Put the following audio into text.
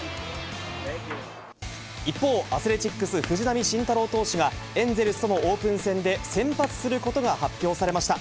一方、アスレチックス、藤浪晋太郎投手が、エンゼルスとのオープン戦で先発することが発表されました。